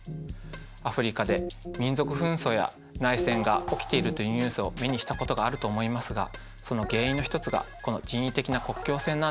アフリカで民族紛争や内戦が起きているというニュースを目にしたことがあると思いますがその原因の一つがこの人為的な国境線なんです。